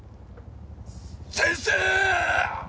先生！！